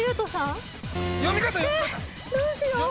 どうしよう？